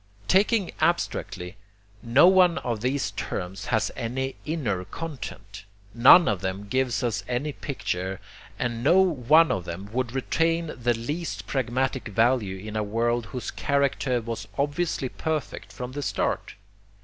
Taken abstractly, no one of these terms has any inner content, none of them gives us any picture, and no one of them would retain the least pragmatic value in a world whose character was obviously perfect from the start.